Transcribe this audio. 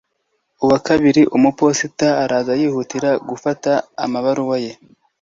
uwa kabiri umuposita araza, yihutira gufata amabaruwa ye